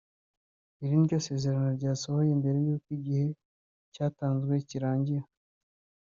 Iri niryo sezerano ryasohoye mbere y’uko igihe cyatanzwe kirangira